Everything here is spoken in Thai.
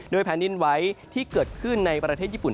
แผ่นดินไว้ที่เกิดขึ้นในประเทศญี่ปุ่น